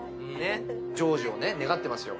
成就を願ってますよ。